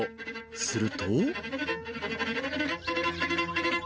すると。